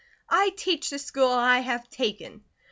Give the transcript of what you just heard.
I teach the school I have taken."